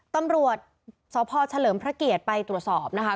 ต้องรวจทรพเฉลิมพระเกียจไปตรวจสอบนะคะ